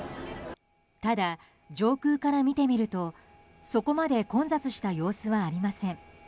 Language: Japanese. ただ、上空から見てみるとそこまで混雑した様子はありません。